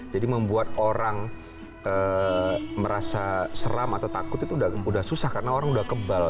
jadi membuat orang merasa seram atau takut itu sudah susah karena orang sudah kebal